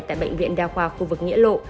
tại bệnh viện đào khoa khu vực nghĩa lộ